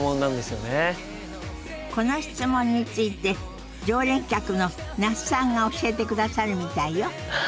この質問について常連客の那須さんが教えてくださるみたいよ。